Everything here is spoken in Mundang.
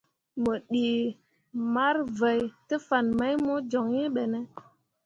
Mo ɗii marvǝǝ te fan mai mo joŋ iŋ ɓene ?